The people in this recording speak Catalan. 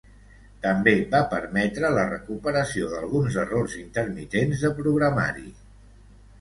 També va permetre la recuperació d'alguns errors intermitents de programari.